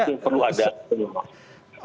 itu perlu ada penyelamat